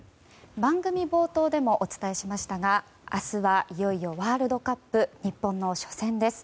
番組冒頭でもお伝えしましたが明日はいよいよワールドカップ日本の初戦です。